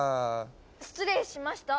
失礼しました！